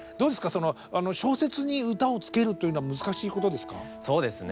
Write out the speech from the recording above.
その小説に歌をつけるっていうのは難しいことですか？